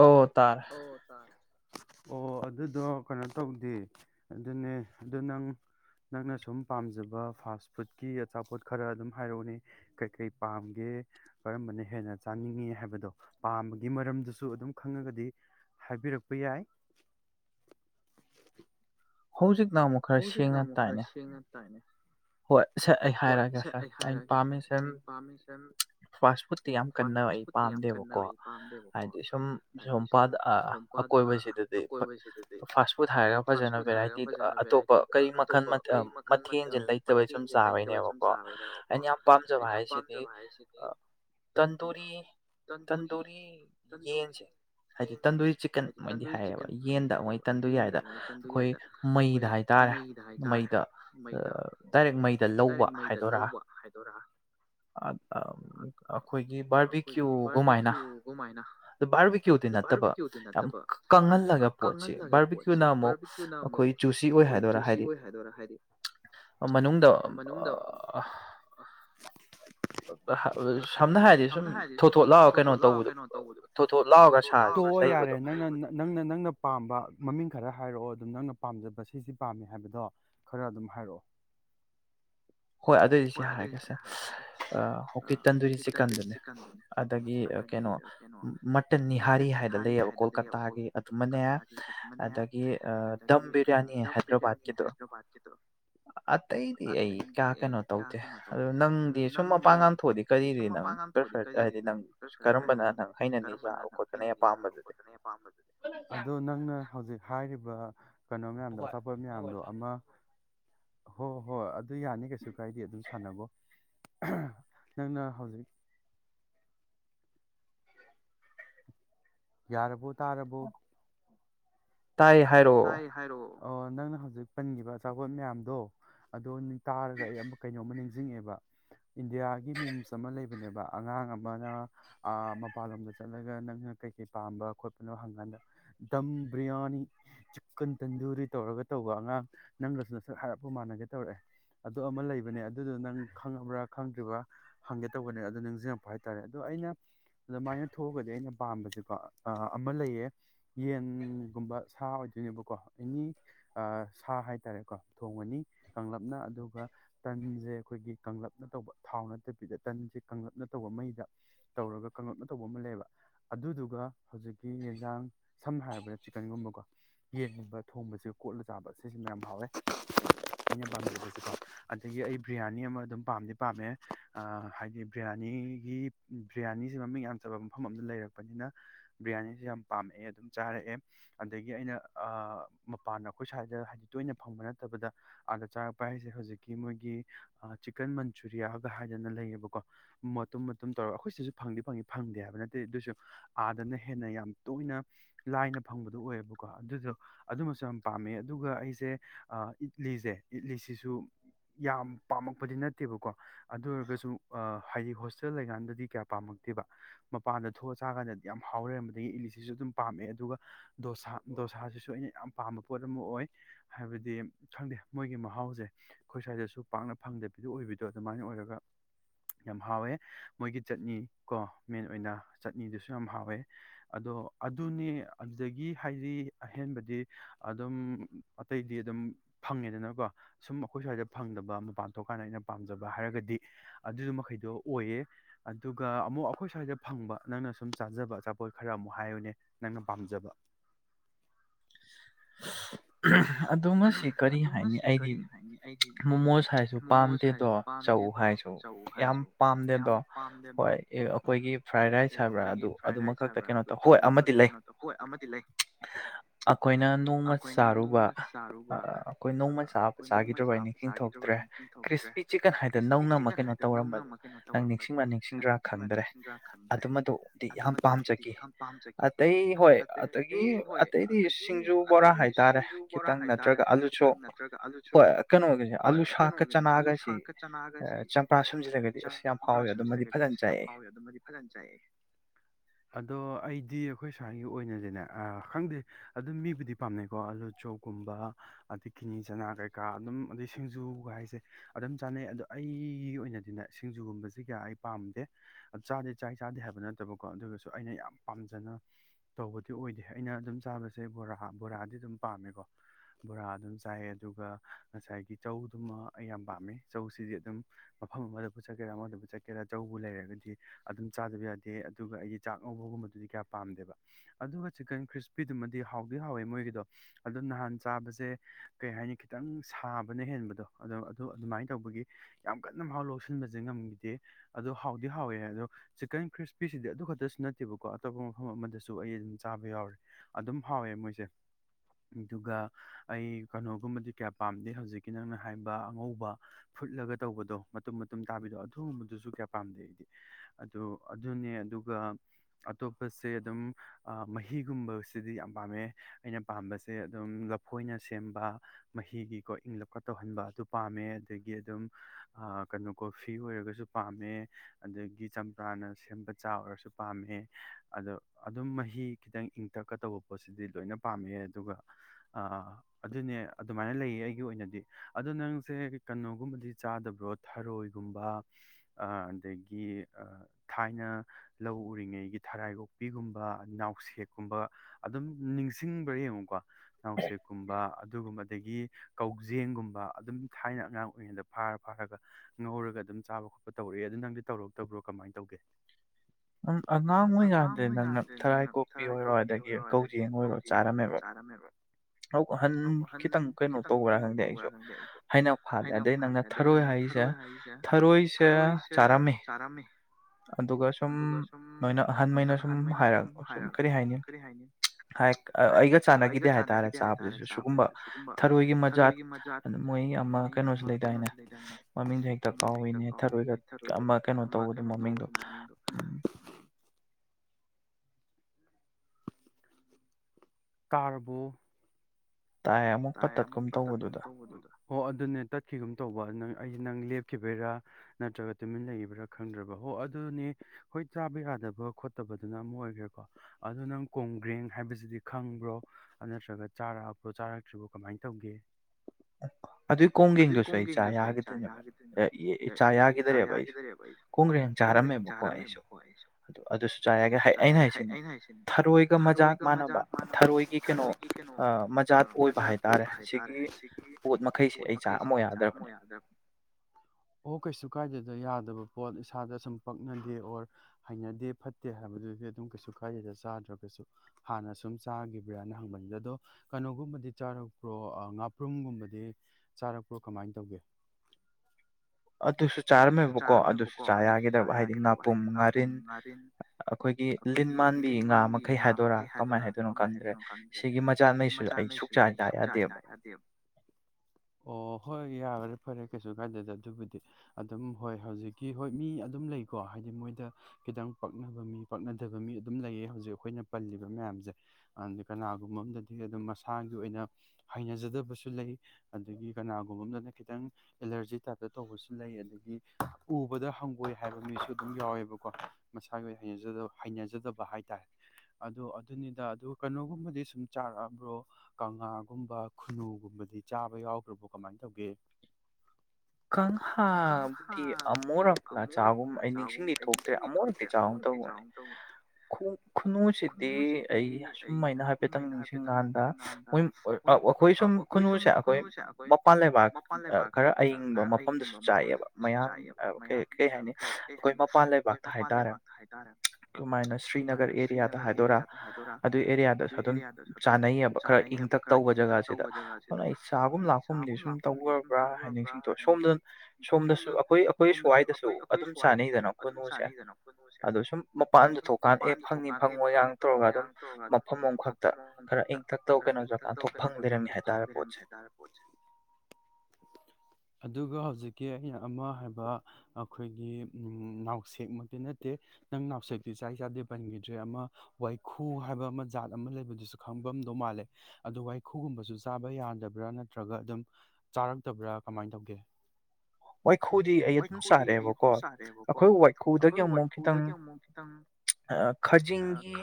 ꯑꯣ ꯇꯔ ꯑꯣ ꯑꯗꯨꯗꯣ ꯀꯩꯅꯣ ꯇꯧꯗꯦ ꯑꯗꯨꯅꯦ ꯑꯗꯨ ꯅꯪ ꯅꯪꯅ ꯁꯨꯝ ꯄꯥꯝꯖꯕ ꯐꯥꯁ ꯐꯨꯗꯀꯤ ꯑꯆꯥꯄꯣꯠ ꯈꯔ ꯑꯗꯨꯝ ꯍꯥꯏꯔꯛꯎꯅꯦ ꯀꯩꯀꯩ ꯄꯥꯝꯒꯦ ꯀꯔꯝꯕꯅ ꯍꯦꯟꯅ ꯆꯥꯅꯤꯡꯉꯤ ꯍꯥꯏꯕꯗꯣ ꯄꯥꯝꯕꯒꯦ ꯒꯤ ꯃꯔꯝꯗꯁꯨ ꯑꯗꯨꯝ ꯈꯪꯉꯒꯗꯤ ꯍꯥꯏꯕꯤꯔꯛꯄ ꯌꯥꯏ ꯍꯧꯧꯁꯦ ꯅ ꯅ ꯑꯃꯨꯛ ꯈꯔ ꯁꯦꯡꯅ ꯇꯥꯏꯅꯦ ꯇꯥꯏꯅꯦ ꯍꯣꯏ ꯁꯥꯔ ꯑꯩ ꯍꯥꯏꯔꯛꯑꯒꯦ ꯁꯥꯔ ꯑꯩꯅ ꯄꯥꯝꯃꯤ ꯁꯝ ꯐꯥꯁ ꯐꯨꯗꯇꯤ ꯌꯥꯝ ꯀꯟꯅꯕ ꯑꯩ ꯄꯥꯝꯗꯦꯕꯀꯣ ꯍꯥꯏꯗꯤ ꯁꯨꯝ ꯁꯣꯝ ꯑꯀꯣꯏꯕꯁꯤꯗꯗꯤ ꯐꯥꯁ ꯐꯨꯗ ꯍꯥꯏꯔꯒ ꯐꯖꯅ ꯚꯦꯔꯥꯏꯇꯤꯗ ꯑꯇꯣꯞꯄ ꯀꯔꯤ ꯃꯈꯜ ꯃꯊꯦꯜꯁꯤ ꯂꯩ ꯁꯨꯝ ꯆꯥꯕꯩꯅꯦꯕꯀꯣ ꯑꯩꯅ ꯌꯥꯝ ꯄꯥꯝꯖꯕ ꯍꯥꯏꯁꯤꯗꯤ ꯇꯟꯗꯨꯔꯤ ꯇꯟꯗꯨꯔꯤ ꯌꯦꯟꯁꯦ ꯍꯥꯏꯗꯤ ꯇꯟꯗꯨꯔꯤ ꯆꯤꯛꯀꯟ ꯃꯗꯤ ꯍꯥꯏꯌꯦꯕ ꯌꯦꯟꯗ ꯃꯣꯏ ꯇꯟꯗꯨꯔꯤ ꯍꯥꯏꯗ ꯑꯩꯈꯣꯏ ꯃꯩꯗ ꯍꯥꯏꯇꯥꯔꯦ ꯃꯩꯗ ꯗꯥꯏꯔꯦꯛ ꯃꯩꯗ ꯂꯧꯕ ꯍꯥꯏꯗꯣꯏꯔꯥ ꯑꯩꯈꯣꯏꯒꯤ ꯕꯥꯔꯕꯤꯀ꯭ꯌꯨꯒꯃꯥꯏꯅ ꯑꯗꯨ ꯕꯥꯔꯕꯤꯀ꯭ꯌꯨꯗꯤ ꯅꯠꯇꯕ ꯌꯥꯝ ꯀꯪꯍꯜꯂꯒ ꯄꯣꯠꯁꯤ ꯕꯥꯔꯕꯤꯀ꯭ꯌꯨꯅ ꯑꯃꯨꯛ ꯑꯩꯈꯣꯏ ꯆꯨꯁꯤ ꯑꯣꯏ ꯍꯥꯏꯗꯣꯏꯔꯥ ꯍꯥꯏꯗꯤ ꯃꯅꯨꯡ ꯃꯅꯨꯡꯗ ꯁꯝꯅ ꯍꯥꯏꯔꯗꯤ ꯁꯨꯝ ꯊꯣꯊꯣꯠ ꯂꯥꯛꯑꯣ ꯀꯩꯅꯣ ꯇꯧꯕꯗꯣ ꯊꯣ ꯂꯥꯛꯣꯛꯑꯣ ꯌꯥꯔꯦ ꯅꯪꯅ ꯅꯪꯅ ꯅꯪꯅ ꯄꯥꯝꯕ ꯃꯃꯤꯡ ꯈꯔ ꯍꯥꯏꯔꯛꯑꯣ ꯑꯗꯨꯝ ꯅꯪꯅ ꯄꯥꯝꯖꯕ ꯁꯤꯁꯤ ꯄꯥꯝꯃꯦ ꯍꯥꯏꯕꯗꯣ ꯈꯔ ꯑꯗꯨꯝ ꯍꯥꯏꯔꯛꯑꯣ ꯍꯣꯏ ꯑꯗꯨꯏꯗꯤ ꯁꯤ ꯍꯥꯏꯒꯦ ꯁꯥꯦꯔ ꯍꯀꯤ ꯇꯟꯗꯨꯔꯤ ꯆꯤꯛꯀꯟꯗꯨꯅꯦ ꯑꯗꯒꯤ ꯀꯩꯅꯣ ꯃꯇꯟ ꯅꯤꯍꯥꯔꯤ ꯍꯥꯏꯅ ꯂꯩꯌꯦꯕ ꯀꯣꯜꯀꯇꯥꯒꯤ ꯑꯗꯨꯃꯅꯦ ꯑꯗꯒꯤ ꯗꯝ ꯕꯤꯔꯌꯥꯅꯤ ꯍꯥꯏꯗ꯭ꯔꯕꯥꯠꯀꯤꯗꯣ ꯑꯇꯩꯗꯤ ꯑꯩ ꯀꯥ ꯀꯩꯅꯣ ꯀꯌꯥ ꯀꯩꯅꯣ ꯇꯧꯁꯦ ꯑ ꯅꯪꯗꯤ ꯁꯨꯝ ꯃꯄꯥꯟ ꯌꯥꯝ ꯊꯣꯛꯑꯗꯤ ꯀꯔꯤꯗꯤ ꯅꯪꯔꯤ ꯍꯥꯏꯗꯤ ꯅꯪ ꯀꯔꯝꯕꯅ ꯅ ꯍꯩꯅꯅꯤꯕ ꯈꯣꯄꯥꯝꯕꯗꯨꯗꯤ ꯑꯗꯣ ꯅꯪꯅ ꯍꯧꯖꯤꯛ ꯍꯥꯏꯔꯤꯕ ꯀꯩꯅꯣ ꯃꯌꯥꯝꯗꯣ ꯑꯆꯥꯄꯣꯠ ꯃꯌꯥꯝꯗꯣ ꯑꯃ ꯍꯣ ꯍꯣꯏ ꯑꯗꯨ ꯌꯥꯅꯤ ꯀꯩꯁꯨ ꯥꯏꯗꯤ ꯑꯗꯨꯝ ꯁꯥꯟꯅꯅꯕꯣ ꯅꯪꯅ ꯍꯧꯖꯤꯛ ꯌꯥꯔꯕꯨ ꯇꯥꯔꯕꯣ ꯇꯥꯏ ꯍꯥꯏꯔꯛꯑꯣ ꯅꯪꯅ ꯍꯧꯖꯤꯛ ꯄꯟꯈꯤꯕ ꯑꯆꯥꯄꯣꯠ ꯃꯌꯥꯝꯗꯣ ꯑꯗꯣ ꯇꯥꯔꯒ ꯑꯩ ꯑꯃꯨꯛ ꯀꯩꯅꯣꯝꯃ ꯅꯤꯡꯁꯤꯡꯉꯦꯕ ꯏꯟꯗꯤꯌꯥꯒꯤ ꯃꯤꯝꯁ ꯑꯃ ꯂꯩꯕ ꯅꯦꯕ ꯑꯉꯥꯡ ꯑꯃꯅ ꯃꯄꯥꯟꯂꯣꯝꯗ ꯆꯠꯂꯒ ꯅꯪꯅ ꯀꯩꯀꯩ ꯄꯥꯝꯕ ꯈꯣꯠꯄꯅꯣ ꯍꯪꯀꯥꯟꯗ ꯗꯝ ꯕꯤ꯭ꯔꯤꯌꯥꯅꯤ ꯆꯤꯛꯀꯟ ꯇꯟꯗꯨꯔꯤ ꯇꯧꯔꯒ ꯇꯧꯕ ꯑꯉꯥꯡ ꯅꯪꯒꯁꯨ ꯅꯁꯛ ꯍꯥꯏꯔꯞꯄ ꯃꯥꯟꯅꯒꯦ ꯇꯧꯔꯛꯑꯦ ꯑꯗꯨꯗ ꯑꯃ ꯂꯩꯕꯅꯦ ꯑꯗꯨꯗꯨ ꯅꯪ ꯈꯪꯉꯕ꯭ꯔꯥ ꯈꯪꯗ꯭ꯔꯤꯕ꯭ꯔꯥ ꯍꯪꯒꯦ ꯇꯧꯕꯅꯦ ꯑꯗꯨꯣ ꯅꯤꯡꯁꯤꯡꯉꯛꯄ ꯍꯥꯏꯇꯥꯔꯦ ꯑꯗꯣ ꯑꯩꯅ ꯑꯗꯨꯃꯥꯏꯅ ꯊꯣꯛꯑꯒꯗꯤ ꯑꯩꯅ ꯄꯥꯝꯕꯁꯦꯀꯣ ꯑꯃ ꯂꯩꯌꯦ ꯌꯦꯟꯒꯨꯝꯕ ꯁꯥ ꯑꯣꯏꯗꯣꯏꯅꯦꯕꯀꯣ ꯑꯦꯅꯤ ꯁꯥ ꯍꯥꯏꯇꯥꯔꯦꯀꯣ ꯊꯣꯡꯉꯅꯤ ꯀꯪꯂꯞꯅ ꯑꯗꯨꯒ ꯇꯟꯁꯦ ꯑꯩꯈꯣꯏꯒꯤ ꯀꯪꯂꯞꯅ ꯇꯧꯕ ꯊꯥꯎ ꯅꯠꯇꯕꯤꯗ ꯇꯟꯁꯦ ꯀꯪꯂꯞꯅ ꯇꯧꯕ ꯃꯩꯗ ꯇꯧꯔꯒ ꯀꯪꯂꯞꯅ ꯇꯧꯕ ꯑꯃ ꯂꯩꯌꯦꯕ ꯑꯗꯨꯗꯨꯒ ꯍꯧꯖꯤꯛꯀꯤ ꯌꯦꯟꯁꯥꯡ ꯁꯝꯅ ꯍꯥꯏꯔꯕꯗ ꯆꯤꯛꯀꯟꯒꯨꯝꯕꯀꯣ ꯌꯦꯟꯒꯨꯝꯕ ꯊꯣꯡꯕꯕꯁꯤꯦ ꯀꯣꯠꯂ ꯆꯥꯕ ꯁꯤꯁꯤ ꯃ ꯌꯥꯝ ꯍꯥꯎꯋꯦ ꯑꯩꯅ ꯄꯥꯝꯖꯕꯁꯤꯀꯣ ꯑꯗꯒꯤ ꯑꯩ ꯕꯤꯔꯌꯥꯅꯤ ꯑꯃ ꯑꯗꯨꯝ ꯄꯥꯝꯗꯤ ꯄꯥꯝꯃꯦ ꯍꯥꯏꯗꯤ ꯕꯤ꯭ꯔꯌꯥꯅꯤꯒꯤ ꯕꯤꯔꯌꯥꯅꯤꯁꯦ ꯃꯃꯤꯡ ꯌꯥꯝ ꯆꯕ ꯃꯐꯝ ꯑꯃꯗ ꯂꯩꯔꯛꯄꯅꯤꯅ ꯕꯤꯔꯌꯥꯅꯤꯁꯦ ꯌꯥꯝ ꯄꯥꯝꯃꯛꯑꯦ ꯑꯗꯨꯝ ꯆꯥꯔꯛꯑꯦ ꯑꯗꯒꯤ ꯑꯩꯅ ꯃꯄꯥꯟꯗ ꯑꯩꯈꯣꯏ ꯁ꯭ꯋꯥꯏꯗ ꯍꯥꯏꯗꯤ ꯇꯣꯏꯅ ꯐꯪꯕ ꯅꯠꯇꯕꯗ ꯑꯥꯗ ꯆꯥꯔꯛꯄ ꯍꯥꯏꯁꯦ ꯍꯧꯖꯤꯛꯀꯤ ꯃꯣꯏꯒꯤ ꯆꯤꯛꯀꯟ ꯃꯟꯆꯨꯔꯤꯌꯥꯒ ꯍꯥꯏꯗꯅ ꯂꯩꯌꯦꯕꯀꯣ ꯃꯇꯨꯝ ꯃꯇꯨꯝ ꯇꯧꯔꯒ ꯑꯩꯈꯣꯏ ꯁꯤꯁꯨ ꯐꯪꯗꯤ ꯐꯪꯗꯤ ꯐꯪꯗꯦ ꯍꯥꯏꯕ ꯅꯠꯇꯦ ꯑꯗꯨꯏꯁꯨ ꯑꯥꯗꯅ ꯍꯦꯟꯅ ꯌꯥꯝ ꯇꯣꯏꯅ ꯂꯥꯏꯅ ꯐꯪꯕꯗꯣ ꯑꯣꯏꯌꯦꯕ ꯀꯣ ꯑꯗꯨꯗꯣ ꯑꯗꯨꯃꯁꯨ ꯌꯥꯝ ꯄꯥꯝꯃꯦ ꯑꯗꯨꯒ ꯑꯩꯁꯦ ꯏꯠꯂꯤꯁꯦ ꯏꯠꯂꯤꯁꯤꯁꯨ ꯌꯥꯝ ꯄꯥꯝꯃꯛꯄꯗꯤ ꯅꯠꯇꯦꯕꯀꯣ ꯑꯗꯨ ꯑꯣꯏꯔꯒꯁꯨ ꯍꯥꯏꯗꯤ ꯍꯣꯁꯇꯦꯜ ꯂꯩꯀꯥꯟꯗꯗꯤ ꯀꯌꯥ ꯄꯥꯝꯂꯛꯇꯦꯕ ꯃꯄꯥꯟꯗ ꯊꯣꯛꯑ ꯆꯥꯀꯥꯟꯗꯗꯤ ꯌꯥꯝ ꯍꯥꯎꯔꯦꯔꯝꯕꯗꯒꯤ ꯏꯠꯂꯤꯁꯤꯁꯨ ꯑꯗꯨꯝ ꯄꯥꯝꯃꯛꯦ ꯑꯗꯨꯒ ꯗꯣꯁꯥ ꯗꯣꯁꯥꯁꯤꯁꯨ ꯑꯩꯅ ꯌꯥꯝ ꯄꯥꯝꯕ ꯄꯣꯠ ꯑꯃ ꯑꯣꯏ ꯍꯥꯏꯕꯗꯤ ꯈꯪꯗꯦ ꯃꯣꯏꯒꯤ ꯃꯍꯥꯎꯁꯦ ꯑꯩꯈꯣꯏ ꯁ꯭ꯋꯥꯏꯗꯁꯨ ꯄꯥꯛꯅ ꯐꯪꯗꯕꯤꯗꯨ ꯑꯣꯏꯕꯗꯣ ꯑꯗꯨꯃꯥꯏꯅ ꯑꯣꯏꯔꯒ ꯌꯥꯝ ꯍꯥꯎꯋꯦ ꯃꯣꯏꯒꯤ ꯆꯠꯅꯤ ꯀꯣ ꯃꯦꯟ ꯑꯣꯏꯅ ꯆꯠꯅꯤꯗꯨꯁꯨ ꯌꯥꯝ ꯍꯥꯎꯋꯦ ꯑꯗꯣ ꯑꯗꯨꯅꯤ ꯑꯗꯨꯗꯒꯤꯕ ꯍꯥꯏꯗꯤ ꯑꯍꯦꯟꯕꯗꯤ ꯑꯗꯨꯝ ꯑꯇꯩꯗꯤ ꯑꯗꯨꯝ ꯐꯪꯉꯦꯗꯅꯀꯣ ꯁꯨꯝ ꯑꯩꯈꯣꯏ ꯁ꯭ꯋꯥꯏꯗ ꯐꯪꯗꯕ ꯃꯄꯥꯟ ꯊꯣꯛꯀꯥꯟꯗ ꯑꯩꯅ ꯄꯥꯝꯖꯕ ꯍꯥꯏꯔꯒꯗꯤ ꯑꯗꯨꯗꯨ ꯃꯈꯩꯗꯣ ꯑꯣꯏꯌꯦ ꯑꯗꯨꯒ ꯑꯃꯨꯛ ꯑꯩꯈꯣꯏ ꯁ꯭ꯋꯥꯏꯗ ꯐꯪꯕ ꯅꯪꯅ ꯁꯨꯝ ꯆꯥꯖꯕ ꯑꯆꯥꯄꯣꯠ ꯈꯔ ꯑꯃꯨꯛ ꯍꯥꯏꯌꯨꯅꯦ ꯅꯪꯅ ꯄꯥꯝꯖꯕ [unintelligible] ꯑꯗꯨ ꯃꯁꯤ ꯀꯔꯤ ꯍꯥꯏꯅꯤ ꯑꯩꯗꯤ ꯃꯣꯃꯣꯁ ꯍꯥꯏꯁꯨ ꯄꯥꯝꯗꯦꯗꯣ ꯆꯧ ꯍꯥꯏꯁꯨ ꯌꯥꯝ ꯄꯥꯝꯗꯦꯗꯣ ꯍꯣꯏ ꯑꯩꯈꯣꯏꯒꯤ ꯐ꯭ꯔꯥꯏ ꯔꯥꯏꯁ ꯍꯥꯏꯕ꯭ꯔꯥ ꯑꯗꯨ ꯑꯗꯨꯃ ꯈꯛꯇ ꯀꯩꯅꯣ ꯇꯧ ꯍꯣꯏ ꯑꯃꯗꯤ ꯂꯩ ꯑꯩꯈꯣꯏꯅ ꯅꯣꯡꯃ ꯆꯥꯔꯨꯕ ꯑꯩꯈꯣꯏ ꯅꯣꯡꯃ ꯆꯥꯕ ꯆꯥꯈꯤꯗ꯭ꯔꯕ ꯑꯩ ꯅꯤꯡꯁꯤꯡꯊꯣꯛꯇ꯭ꯔꯦ ꯈ꯭ꯔꯤꯁꯄꯤ ꯆꯤꯛꯀꯟ ꯍꯥꯏꯗꯅ ꯅꯧꯅ ꯑꯃ ꯀꯩꯅꯣ ꯇꯧꯔꯝꯕꯗꯨꯣ ꯅꯪ ꯅꯤꯡꯁꯤꯡꯕ ꯅꯤꯡꯁꯤꯡꯗ꯭ꯔꯥ ꯈꯪꯗ꯭ꯔꯦ ꯑꯗꯨꯃꯗꯨꯗꯤ ꯌꯥꯝ ꯄꯥꯝꯖꯈꯤ ꯑꯇꯩ ꯍꯣꯏ ꯑꯗꯒꯤ ꯑꯇꯩ ꯁꯤꯡꯖꯨ ꯕꯣꯔꯥ ꯍꯥꯏꯇꯥꯔꯦ ꯕꯣꯔꯥ ꯍꯥꯏꯇꯥꯔꯦ ꯈꯤꯇꯪ ꯅꯠꯇ꯭ꯔꯒ ꯑꯥꯂꯨꯁꯨ ꯍꯣꯏ ꯀꯩꯅꯣꯒꯁꯦ ꯑꯥꯂꯨꯁꯥꯛꯀ ꯆꯅꯥꯒꯁꯤ ꯕꯣꯔꯥ ꯁꯨꯝꯖꯤꯜꯂꯒꯗꯤ ꯑꯁ ꯌꯥꯝ ꯍꯥꯎꯋꯦ ꯑꯗꯨꯃꯗꯤ ꯐꯖꯅ ꯆꯥꯏ ꯑꯗꯣ ꯑꯩꯗꯤ ꯑꯩꯈꯣꯏ ꯁ꯭ꯋꯥꯏꯒꯤ ꯑꯣꯏꯅꯗꯤꯅꯦ ꯈꯪꯗꯦ ꯑꯗꯨꯝ ꯃꯤꯕꯨꯗꯤ ꯄꯥꯝꯅꯩꯀꯣ ꯑꯥꯂꯨ ꯆꯧ ꯀꯨꯝꯕ ꯑꯗꯩ ꯀꯤꯅꯤ ꯆꯅꯥ ꯀꯩꯀꯥ ꯑꯗꯨꯝ ꯑꯗꯩ ꯁꯤꯡꯖꯨꯒ ꯍꯥꯏꯁꯦ ꯑꯗꯨꯝ ꯆꯥꯅꯩ ꯑꯗꯣ ꯑꯩꯒꯤ ꯑꯣꯏꯅꯗꯤꯅ ꯁꯤꯡꯖꯨꯒꯨꯝꯕꯁꯦ ꯀꯌꯥ ꯑꯩ ꯄꯥꯝꯗꯦ ꯑꯗꯨ ꯆꯥꯗꯦ ꯆꯥꯏ ꯆꯥꯗꯦ ꯍꯥꯏꯕ ꯅꯠꯇꯕꯀꯣ ꯑꯗꯨꯒꯁꯨ ꯑꯩꯅ ꯌꯥꯝ ꯄꯥꯝꯖꯅ ꯇꯧꯕꯗꯤ ꯑꯣꯏꯗꯦ ꯑꯩꯅ ꯑꯗꯨꯝ ꯆꯥꯕꯁꯦ ꯕꯣꯔꯥ ꯕꯣꯔꯥꯗꯤ ꯑꯗꯨꯝ ꯄꯥꯝꯃꯦꯀꯣ ꯕꯣꯔꯥ ꯑꯗꯨꯝ ꯆꯥꯏ ꯑꯗꯨꯒ ꯉꯁꯥꯏꯒꯤ ꯆꯧꯗꯨꯃ ꯑꯩ ꯌꯥꯝ ꯄꯥꯝꯃꯦ ꯆꯧꯁꯤꯗꯤ ꯑꯗꯨꯝ ꯃꯐꯝ ꯑꯃꯗꯕꯨ ꯆꯠꯀꯦꯔꯥ ꯑꯃꯗꯕꯨ ꯆꯠꯀꯦꯔꯥ ꯆꯧꯕ ꯂꯩꯔꯒꯗꯤ ꯑꯗꯨꯝ ꯆꯥꯗꯕ ꯌꯥꯗꯦ ꯑꯗꯨꯒ ꯑꯩꯒꯤ ꯆꯥꯛ ꯑꯧꯕꯒꯨꯝꯕꯗꯨꯗꯤ ꯀꯌꯥ ꯄꯥꯝꯗꯦꯕ ꯑꯗꯨꯒ ꯆꯤꯛꯀꯟ ꯈ꯭ꯔꯤꯁꯄꯤꯗꯨꯃꯗꯤ ꯍꯥꯎꯗꯤ ꯍꯥꯎꯋꯦ ꯃꯣꯏꯒꯤꯗꯣ ꯑꯗꯣ ꯅꯍꯥꯟ ꯆꯥꯕꯁꯦ ꯀꯩ ꯍꯥꯏꯅꯤ ꯈꯤꯇꯪ ꯁꯥꯕꯅ ꯍꯦꯟꯕꯗꯣ ꯑꯗꯣ ꯑꯗꯨ ꯑꯗꯨꯃꯥꯏꯅ ꯇꯧꯕꯒꯤ ꯌꯥꯝ ꯀꯟꯅ ꯃꯍꯥꯎ ꯂꯧꯁꯤꯟꯕꯁꯦ ꯉꯝꯈꯤꯗꯦ ꯑꯗꯣ ꯍꯥꯎꯗꯤ ꯍꯥꯎꯋꯦ ꯑꯗꯣ ꯆꯤꯛꯀꯟ ꯈ꯭ꯔꯤꯁꯄꯤꯁꯤꯗꯤ ꯑꯗꯨ ꯈꯛꯇꯁꯨ ꯅꯠꯇꯦꯕꯀꯣ ꯑꯇꯣꯞꯄ ꯃꯐꯝ ꯑꯃꯗꯁꯨ ꯑꯩ ꯑꯗꯨꯝ ꯆꯥꯕ ꯌꯥꯎꯔꯦ ꯑꯗꯨꯝ ꯍꯥꯎꯋꯦ ꯃꯣꯏꯁꯦ ꯑꯗꯨꯒ ꯑꯩ ꯀꯩꯅꯣꯒꯨꯝꯕꯗꯤ ꯀꯌꯥ ꯄꯥꯝꯗꯦ ꯍꯧꯖꯤꯛꯀꯤ ꯅꯪꯅ ꯍꯥꯏꯕ ꯑꯉꯧꯕ ꯐꯨꯠꯂꯒ ꯇꯧꯕꯗꯣ ꯃꯇꯨꯝ ꯃꯇꯨꯝ ꯇꯥꯕꯤꯗꯣ ꯑꯗꯨꯒꯨꯝꯕꯗꯨꯁꯨ ꯀꯌꯥ ꯄꯥꯝꯗꯦ ꯑꯩꯗꯤ ꯑꯗꯨꯗ ꯑꯗꯨꯅꯦ ꯑꯗꯨꯒ ꯑꯇꯣꯞꯄꯁꯦ ꯑꯗꯨꯝ ꯃꯍꯤꯒꯨꯝꯕꯁꯤꯗꯤ ꯌꯥꯝ ꯄꯥꯝꯃꯦ ꯑꯩꯅ ꯄꯥꯝꯕꯁꯦ ꯁꯦ ꯑꯗꯨꯝ ꯂꯐꯣꯏꯅ ꯁꯦꯝꯕ ꯃꯍꯤꯒꯤꯀꯣ ꯏꯪꯪꯂꯞꯀ ꯇꯧꯍꯟꯕ ꯑꯗꯨ ꯄꯥꯝꯃꯦ ꯑꯗꯒꯤ ꯑꯗꯨꯝ ꯀꯩꯅꯣꯀꯣ ꯐꯤ ꯑꯣꯏꯔꯒꯁꯨ ꯄꯥꯝꯃꯦ ꯑꯗꯒꯤ ꯆꯝꯄ꯭ꯔꯥꯅ ꯁꯦꯝꯕ ꯆꯥ ꯑꯣꯏꯔꯁꯨ ꯄꯥꯝꯃꯦ ꯑꯗꯣ ꯑꯗꯨꯝ ꯃꯍꯤ ꯈꯤꯇꯪ ꯏꯪ ꯇꯛꯀ ꯇꯧꯕ ꯄꯣꯠꯁꯤꯗꯤ ꯂꯣꯏꯅ ꯄꯥꯝꯃꯦ ꯑꯗꯨꯒ ꯑꯗꯨꯅꯦ ꯑꯗꯨꯃꯥꯏꯅ ꯂꯩꯌꯦ ꯑꯩꯒꯤ ꯑꯣꯏꯅꯗꯤ ꯑꯗꯣ ꯅꯪꯁꯦ ꯀꯩꯅꯣꯒꯨꯝꯕꯗꯤ ꯆꯥꯗꯕ꯭ꯔꯣ ꯊꯔꯣꯏꯒꯨꯝꯕ ꯑꯗꯒꯤ ꯊꯥꯏꯅ ꯂꯧ ꯎꯔꯤꯉꯩꯒꯤ ꯊꯔꯥꯏꯒꯣꯛꯄꯤꯒꯨꯝꯕ ꯅꯥꯎꯁꯦꯛꯀꯨꯝꯕ ꯑꯗꯨꯝ ꯅꯤꯡꯁꯤꯡꯕ꯭ꯔꯥ ꯌꯦꯡꯉꯨꯀꯣ ꯅꯥꯎꯁꯦꯛ ꯀꯨꯝꯕ ꯑꯗꯨꯒꯨꯝꯕ ꯑꯗꯒꯤ ꯀꯧꯖꯦꯡꯒꯨꯝꯕ ꯑꯗꯨꯝ ꯊꯥꯏꯅ ꯑꯉꯥꯡ ꯑꯣꯏꯔꯤꯉꯩꯗ ꯐꯥꯔ ꯐꯥꯔꯒ ꯉꯧꯔꯒ ꯑꯗꯨꯝ ꯆꯥꯕ ꯈꯣꯠꯄ ꯇꯧꯔꯛꯑꯦ ꯑꯗꯨ ꯅꯪꯗꯤ ꯇꯧꯔꯣ ꯇꯧꯕ꯭ꯔꯣ ꯀꯃꯥꯏꯅ ꯇꯧꯒꯦ ꯑꯉꯥꯡ ꯑꯣꯏꯀꯥꯟꯗꯗꯤ ꯅꯪꯅ ꯊꯔꯥꯏ ꯀꯣꯛꯄꯤ ꯑꯣꯏꯔꯣ ꯑꯗꯒꯤ ꯀꯧꯖꯦꯡ ꯑꯣꯏꯔꯣ ꯆꯥꯔꯝꯃꯦꯕ ꯑꯍꯟ ꯈꯤꯇꯪ ꯀꯩꯅꯣ ꯇꯧꯕ꯭ꯔꯥ ꯈꯪꯗꯦ ꯑꯩꯁꯨ ꯍꯥꯏꯩꯅ ꯐꯥꯜꯂꯦ ꯑꯗꯩ ꯅꯪꯅ ꯊꯔꯣꯏ ꯍꯥꯏꯔꯤꯁꯦ ꯊꯔꯣꯏꯁꯦ ꯆꯥꯔꯝꯃꯤ ꯑꯗꯨꯒ ꯁꯨꯝ ꯅꯣꯏꯅ ꯑꯍꯟꯉꯩꯅ ꯁꯨꯝ ꯍꯥꯏꯔꯛ ꯁꯨꯝ ꯀꯔꯤ ꯍꯥꯏꯅꯤ ꯑꯩꯒ ꯆꯥꯟꯅꯈꯤꯗꯦ ꯍꯥꯏꯦ ꯍꯥꯏꯇꯥꯔꯦ ꯆꯥꯕꯁꯤꯁꯨ ꯁꯤꯒꯨꯝꯕ ꯊꯔꯣꯏꯒꯤ ꯃꯖꯥꯠ ꯃꯣꯏ ꯑꯃ ꯀꯩꯅꯣꯁꯨ ꯂꯩꯗꯥꯅꯦ ꯃꯃꯤꯡꯁ ꯍꯦꯛꯇ ꯀꯥꯎꯏꯅꯦ ꯊꯔꯣꯏꯒ ꯑꯃ ꯀꯩꯅꯣ ꯇꯧꯕ ꯃꯥꯃꯤꯡ ꯗꯨ ꯎꯝ꯫ ꯇꯔꯥꯕꯣ꯫ ꯇꯥꯏ ꯑꯃꯛ ꯇꯗꯨ ꯍ ꯑꯗꯨꯅꯦ ꯇꯠꯈꯤꯒꯨꯝ ꯇꯧꯕ ꯑꯗꯨ ꯑꯩ ꯅꯪ ꯂꯦꯞꯈꯤꯕꯩꯔꯥ ꯅꯠꯇ꯭ꯔꯒ ꯇꯨꯃꯤꯟ ꯂꯩꯕꯔꯥ ꯈꯪꯗ꯭ꯔꯕ ꯍꯣ ꯑꯗꯨꯅꯤ ꯍꯣꯏ ꯆꯥꯕ ꯌꯥꯗꯕ ꯈꯣꯠꯇꯕꯗꯨꯅ ꯑꯃ ꯑꯣꯏꯈ꯭ꯔꯦꯀꯣ ꯑꯗꯨ ꯅꯪ ꯀꯣꯡꯒ꯭ꯔꯦꯡ ꯍꯥꯏꯕꯁꯤꯗꯤ ꯈꯪꯕ꯭ꯔꯣ ꯅꯠꯇ꯭ꯔꯒ ꯆꯥꯔꯛꯑꯕ꯭ꯔꯣ ꯆꯥꯔꯛ ꯁꯤꯨꯕꯨ ꯀꯃꯥꯏꯅ ꯇꯧꯒꯦ ꯑꯗꯨꯏ ꯀꯣꯡꯒꯦꯡꯗꯨꯁꯨ ꯑꯩ ꯆꯥ ꯌꯥꯈꯤꯗꯣꯏꯅꯦꯕ ꯆꯥ ꯌꯥꯈꯤꯗꯔꯦꯕ ꯑꯩꯁꯨ ꯀꯣꯡꯒ꯭ꯔꯦꯡ ꯆꯥꯔꯝꯃꯦꯕꯀꯣ ꯑꯩꯁꯨ ꯑꯗꯨ ꯑꯗꯨꯁꯨ ꯆꯒ ꯑꯩꯅ ꯍꯥꯏꯁꯤꯅꯦ ꯊꯔꯣꯏꯒ ꯃꯖꯥꯠ ꯃꯥꯟꯅꯕ ꯊꯔꯣꯏꯒꯤ ꯀꯩꯅꯣ ꯃꯖꯥꯠ ꯃꯥꯆꯥ ꯀꯣꯏꯕꯥ ꯍꯥꯌ ꯇꯥꯔꯦ ꯁꯤ ꯒꯤ꯫ ꯄꯣꯠ ꯃꯈꯩꯁꯦ ꯑꯩ ꯆꯥꯛ ꯑꯃꯛ ꯌꯥꯒꯗ꯭ꯔꯕꯅꯦ ꯑꯣ ꯀꯩꯁꯨ ꯀꯥꯏꯗꯗꯦ ꯑꯗꯣ ꯌꯥꯗꯕ ꯄꯣꯠ ꯏꯁꯥꯗ ꯁꯨꯝ ꯄꯛꯅꯗꯦ ꯑꯣꯔ ꯍꯩꯅꯗꯦ ꯐꯠꯇꯦ ꯍꯥꯏꯕꯗꯨꯗꯤ ꯑꯗꯨꯝ ꯀꯩꯁꯨ ꯀꯥꯏꯗꯦꯗ ꯆꯥꯗ꯭ꯔ ꯀꯩꯁꯨ ꯍꯥꯟꯅ ꯁꯨꯝ ꯆꯥꯈꯤꯕ꯭ꯔꯥꯅ ꯍꯪꯕꯅꯤꯗ ꯑꯗꯣ ꯀꯩꯅꯣꯒꯨꯝꯕꯗꯤ ꯆꯥꯔꯛꯄ꯭ꯔꯣ ꯉꯥꯄ꯭ꯔꯨꯝꯒꯨꯝꯕꯗꯤ ꯆꯥꯔꯛꯄ꯭ꯔꯣ ꯀꯃꯥꯏꯅ ꯇꯧꯒꯦ ꯑꯗꯨꯁꯨ ꯆꯥꯔꯝꯃꯦꯕꯀꯣ ꯑꯗꯨꯁꯨ ꯆꯥ ꯌꯥꯒꯗ꯭ꯔꯕ ꯍꯥꯏꯗꯤ ꯉꯥꯄꯨꯝ ꯉꯥꯔꯤꯟ ꯑꯩꯈꯣꯏꯒꯤ ꯂꯤꯟ ꯃꯥꯟꯕꯤ ꯉꯥ ꯃꯈꯩ ꯍꯥꯏꯗꯣꯏꯔꯥ ꯀꯃꯥꯏꯅ ꯍꯥꯏꯗꯣꯏꯅꯣ ꯈꯪꯗ꯭ꯔꯦ ꯁꯤꯒꯤ ꯃꯆꯥꯉꯩꯁꯨ ꯑꯩ ꯁꯨꯛ ꯆꯥꯔꯤ ꯁꯨ ꯆꯥ ꯌꯥꯗꯦ ꯕꯥ ꯑꯣ ꯑꯈꯣꯏꯒꯤ꯫ ꯌꯥꯔꯦ ꯐꯔꯦ ꯀꯩꯁꯨ ꯀꯥꯏꯗꯗ ꯑꯗꯨꯕꯨꯗꯤ ꯑꯗꯨꯝ ꯍꯣꯏ ꯍꯧꯖꯤꯛꯀꯤ ꯍꯣꯏ ꯃꯤ ꯑꯗꯨꯝ ꯂꯩꯀꯣ ꯍꯥꯏꯗꯤ ꯃꯣꯏꯗ ꯈꯤꯇꯪ ꯄꯛꯅꯕ ꯃꯤ ꯄꯛꯅꯗꯕ ꯃꯤ ꯑꯗꯨꯝ ꯂꯩꯌꯦ ꯍꯧꯖꯤꯛ ꯑꯩꯈꯣꯏꯅ ꯄꯜꯂꯤꯕ ꯃꯌꯥꯝꯁꯦ ꯑꯗ ꯀꯅꯥꯒꯨꯝꯕ ꯑꯝꯗꯗꯤ ꯑꯗꯨꯝ ꯃꯁꯥ ꯑꯗꯨ ꯑꯣꯏꯅ ꯍꯩꯅꯖꯗꯕꯁꯨ ꯂꯩ ꯑꯗꯒꯤ ꯀꯅꯥꯒꯨꯝꯕ ꯑ ꯑꯃꯗꯅ ꯈꯤꯇꯪ ꯑꯦꯂꯔꯖꯤ ꯇꯥꯏꯞꯇ ꯇꯧꯕꯁꯨ ꯂꯩ ꯑꯗꯒꯤ ꯎꯕꯗ ꯍꯪꯒꯣꯏ ꯍꯥꯏꯕ ꯃꯤꯁꯨ ꯑꯗꯨꯝ ꯌꯥꯎꯋꯦꯕꯀꯣ ꯃꯁꯥꯒꯤ ꯑꯣꯏꯅꯩꯅꯕ ꯍꯩꯅꯖꯗꯕ ꯍꯥꯏꯇꯥꯔꯦ ꯑꯗꯣ ꯑꯗꯨꯅꯤꯗ ꯑꯗꯨ ꯀꯩꯅꯣꯒꯨꯝꯕꯗꯤ ꯁꯨꯝ ꯆꯥꯔꯛꯑꯕ꯭ꯔꯣ ꯀꯪꯂꯥꯒꯨꯝꯕ ꯈꯨꯅꯨꯒꯨꯝꯕꯗꯤ ꯆꯥꯕ ꯌꯥꯎꯗ꯭ꯔꯕꯣ ꯀꯃꯥꯏꯅ ꯇꯧꯒꯦ ꯀꯥꯡꯍꯥꯕꯨꯗꯤ ꯑꯃꯨꯔꯨꯔꯛꯂ ꯆꯥꯒꯨꯝ ꯑꯩ ꯅꯤꯡꯁꯤꯡꯗꯤ ꯊꯣꯛꯇ꯭ꯔꯦ ꯑꯃꯨꯔꯛꯇꯤ ꯆꯥꯒꯨꯝ ꯇꯧꯕꯅꯦ ꯈꯨꯅꯨꯁꯤꯗꯤ ꯑꯩ ꯁꯨꯝ ꯑꯥꯏꯅ ꯍꯥꯏꯐꯦꯠꯇꯪ ꯅꯤꯡꯁꯤꯡꯀꯥꯟꯗ ꯃꯣꯏ ꯑꯩꯈꯣꯏ ꯁꯨꯝ ꯈꯨꯅꯨꯁꯦ ꯑꯩꯈꯣꯏ ꯃꯄꯥꯟ ꯂꯩꯕꯥꯛ ꯈꯔ ꯑꯩ ꯃꯐꯝꯗꯁꯨ ꯆꯥꯏꯑꯌꯦꯕ ꯃꯌꯥꯡ ꯀ ꯀꯩ ꯍꯥꯏꯅꯤ ꯑꯩꯈꯣꯏ ꯃꯄꯥꯟ ꯂꯩꯕꯥꯛꯇ ꯍꯥꯏꯇꯥꯔꯦ ꯑꯗꯨꯃꯥꯏꯅ ꯁ꯭ꯔꯤꯅꯒꯔ ꯑꯦꯔꯤꯌꯥꯗ ꯍꯥꯏꯗꯣꯏꯔꯥ ꯑꯗꯨ ꯑꯦꯔꯤꯌꯥꯗꯁꯨ ꯑꯗꯨꯝ ꯆꯥꯅꯩꯌꯦꯕ ꯆꯥꯅꯩꯑꯕ ꯈꯔ ꯏꯪꯇꯛ ꯇꯧꯕ ꯖꯒꯥꯁꯤꯗ ꯑꯗꯨ ꯑꯩ ꯆꯥꯒꯨꯝ ꯂꯥꯛꯄꯨꯝꯗꯤ ꯁꯨꯝ ꯇꯧꯈ꯭ꯔꯕ꯭ꯔꯥ ꯑꯗꯣ ꯁꯣꯝꯗ ꯁꯣꯝꯗꯁꯨ ꯑꯩꯈꯣꯏ ꯑꯩꯈꯣꯏ ꯁ꯭ꯋꯥꯏꯗꯁꯨ ꯑꯗꯨꯝ ꯆꯥꯅꯩꯗꯅ ꯈꯨꯅꯨꯁꯦ ꯑꯗꯣ ꯁꯨꯝ ꯃꯄꯥꯟꯗ ꯊꯣꯛꯀꯥꯟ ꯑꯦ ꯐꯪꯅꯤ ꯐꯪꯉꯣꯏꯒ ꯇꯧꯔꯒ ꯑꯗꯨꯝ ꯃꯐꯝ ꯑꯃ ꯈꯛꯇ ꯈꯔ ꯏꯪꯊꯛ ꯈꯔ ꯏꯪꯊꯛꯇ ꯀꯩꯅꯣꯖ ꯀꯥꯟꯊꯣꯛ ꯐꯪꯕꯤꯔꯝꯃꯤ ꯍꯥꯏꯇꯥꯔꯦ ꯄꯣꯠꯁꯦ ꯑꯗꯨꯒ ꯍꯧꯖꯤꯛꯀꯤ ꯑꯩꯅ ꯑꯃ ꯍꯥꯏꯕ ꯑꯩꯈꯣꯏꯒꯤ ꯅꯥꯎꯁꯦꯛꯃꯛꯇꯤ ꯅꯠꯇꯦ ꯅꯪ ꯅꯥꯎꯁꯦꯛꯇꯤ ꯆꯥꯛ ꯆꯥꯗꯦ ꯄꯟꯈꯤꯗ꯭ꯔꯦ ꯑꯃ ꯋꯥꯏꯈꯨ ꯍꯥꯏꯕ ꯑꯃ ꯖꯥꯠ ꯑꯃ ꯂꯩꯕꯗꯨꯁꯨ ꯈꯪꯐꯝ ꯑꯗꯨ ꯃꯥꯜꯂꯦ ꯑꯗꯨ ꯋꯥꯏ ꯈꯨꯒꯨꯝꯕꯁꯨ ꯆꯥꯕ ꯌꯥꯗꯕ꯭ꯔꯥ ꯅꯠꯇ꯭ꯔꯒ ꯑꯗꯨꯝ ꯆꯥꯔꯛꯇꯕ꯭ꯔꯥ ꯀꯃꯥꯏꯅ ꯇꯧꯒꯦ ꯋꯥꯏꯈꯨꯗꯤ ꯑꯩ ꯑꯗꯨꯝ ꯆꯥꯔꯛꯑꯦꯕꯀꯣ ꯑꯩꯈꯣꯏ ꯋꯥꯏꯈꯨꯗꯒꯤ ꯑꯃꯨꯛ ꯈꯤꯇꯪ ꯈꯖꯤꯡꯒꯤ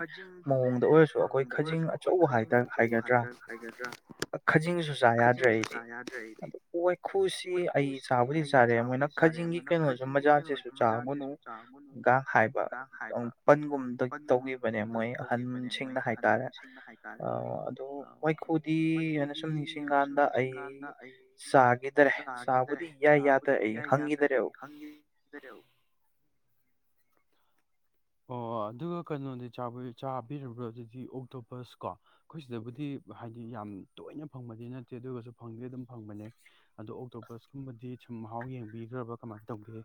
ꯃꯑꯣꯡꯗ ꯑꯣꯏꯔꯁꯨ ꯑꯩꯈꯣꯏ ꯈꯖꯤꯡ ꯑꯆꯧꯕ ꯍꯥꯏ ꯍꯥꯏꯒꯗ꯭ꯔꯥ ꯈꯖꯤꯡꯁꯨ ꯆꯥ ꯌꯥꯗ꯭ꯔꯦ ꯑꯩꯗꯤ ꯑ ꯋꯥꯏꯈꯨꯁꯤ ꯑꯩ ꯆꯥꯕꯨꯗꯤ ꯆꯥꯔꯦ ꯃꯣꯏꯅ ꯈꯖꯤꯡꯒꯤ ꯀꯩꯅꯣꯁꯨ ꯃꯖꯥꯠꯁꯤꯁꯨ ꯆꯥꯒꯨꯅꯨꯒ ꯍꯥꯏꯕ ꯄꯟꯒꯨꯝꯗ ꯇꯧꯈꯤꯕꯅꯦ ꯃꯣꯏ ꯑꯍꯟꯁꯤꯡꯅ ꯍꯥꯏꯇꯥꯔꯦ ꯑ ꯑꯗꯨ ꯃꯩꯈꯨꯗꯤ ꯍꯥꯏ ꯑꯣꯏꯅ ꯁꯨꯝ ꯅꯤꯡꯁꯤꯡꯀꯥꯟꯗ ꯑꯩ ꯆꯥꯈꯤꯗꯔꯦ ꯆꯥꯕꯨꯗꯤ ꯁꯗꯤ ꯌꯥꯗ ꯑꯩ ꯍ ꯏꯗꯔꯎ ꯑꯣ ꯑꯗꯨꯒ ꯀꯩꯅꯣꯗꯤ ꯆꯥꯕꯤꯔꯕ꯭ꯔꯥ ꯑꯗꯨꯗꯤ ꯑꯣꯛꯇꯣꯄꯁ ꯀꯣ ꯑꯩꯈꯣꯏ ꯁꯤꯗꯕꯨꯗꯤ ꯍꯥꯏꯗꯤ ꯌꯥꯝ ꯇꯣꯏꯅ ꯐꯪꯕꯗꯤ ꯅꯠꯇꯦ ꯑꯗꯨꯒꯁꯨ ꯐꯪꯗꯤ ꯑꯗꯨꯝ ꯐꯪꯕꯅꯦ ꯑꯗꯣ ꯑꯣꯛꯇꯣꯄꯁꯀꯨꯝꯕꯗꯤ ꯁꯨꯝ ꯃꯍꯥꯎ ꯌꯦꯡꯕꯤꯈ꯭ꯔꯕ ꯀꯃꯥꯏꯅ ꯇꯧꯒꯦ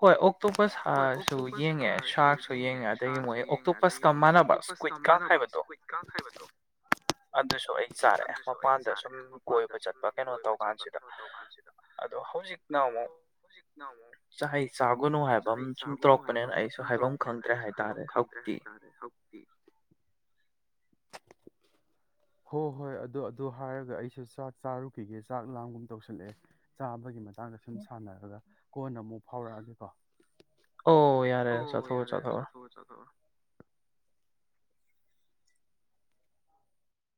ꯍꯣꯏ ꯑꯣꯛꯇꯣꯄꯁ ꯍꯥꯥ ꯁꯨ ꯨ ꯌꯦꯡꯉꯦ ꯁꯥꯁꯨ ꯌꯦꯡꯉꯦ ꯑꯗꯒꯤ ꯃꯣꯏ ꯑꯣꯛꯇꯣꯄꯁꯀ ꯃꯥꯟꯅꯕ ꯁꯀ꯭ꯋꯤꯠꯀ ꯍꯥꯏꯕꯗꯣ ꯑꯗꯨꯁꯨ ꯑꯩ ꯆꯥꯔꯦ ꯃꯄꯥꯟꯗ ꯁꯨꯝ ꯀꯣꯏꯕ ꯆꯠꯄ ꯀꯩꯅꯣ ꯇꯧ ꯀꯥꯟꯁꯤꯗ ꯑꯗꯣ ꯍꯧꯖꯤꯛꯅ ꯑꯃꯨꯛ ꯩ ꯆꯥꯒꯅꯨ ꯍꯥꯏꯕ ꯑꯃ ꯁꯨꯝ ꯇꯧꯔꯛꯄꯅꯦ ꯐꯣꯟ ꯁꯨꯝ ꯇꯔꯛꯄꯅꯦꯅ ꯑꯩꯁꯨ ꯍꯥꯏꯐꯝ ꯈꯪꯗ꯭ꯔꯦ ꯍꯥꯏꯇꯥꯔꯦ ꯍꯧꯛꯇꯤ ꯍꯣ ꯍꯣꯏ ꯑꯗꯨ ꯑꯗꯨ ꯍꯥꯏꯔꯒ ꯑꯩꯁꯨ ꯆꯥꯛ ꯆꯥꯔꯨꯈꯤꯒꯦ ꯆꯥꯛ ꯂꯥꯝꯒꯨꯝ ꯇꯧꯁꯤꯜꯂꯛꯑꯦ ꯆꯥꯕꯒꯤ ꯍꯛꯆꯥꯡꯗ ꯁꯨꯝ ꯁꯥꯟꯅꯔꯒ ꯀꯣꯟꯅ ꯑꯃꯨꯛ ꯐꯥꯎꯔꯛꯑꯒꯦꯀꯣ ꯑꯣ ꯀꯔꯦ ꯆꯊ ꯆꯊꯣ